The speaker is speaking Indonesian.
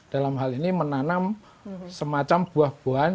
dalam hal ini menanam semacam buah buahan